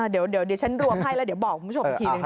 เดี๋ยวดิฉันรวมให้แล้วเดี๋ยวบอกคุณผู้ชมอีกทีหนึ่ง